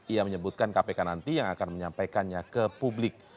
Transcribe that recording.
ia menyebutkan kpk nanti yang akan menyampaikannya ke publik